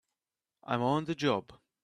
I'm on the job!